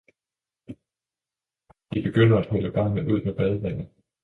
De begynder at hælde barnet ud med badevandet.